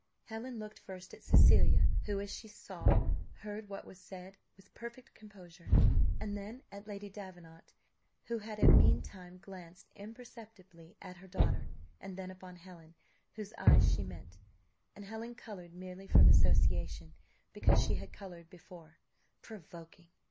Helen looked first at Cecilia, who, as she saw, heard what was said with perfect composure; and then at Lady Davenant, who had meantime glanced imperceptibly at her daughter, and then upon Helen, whose eyes she met and Helen coloured merely from association, because she had coloured before provoking!